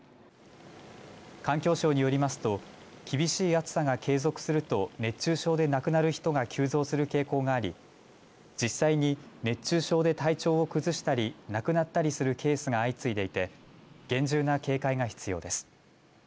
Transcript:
環境省によりますと厳しい暑さが継続すると熱中症で亡くなる人が急増する傾向があり実際に熱中症で体調を崩したり亡くなったりするケースが相次いでいて厳重な警戒が必要です。